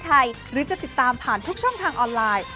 หรือจะติดตามผ่านทุกช่องทางออนไลน์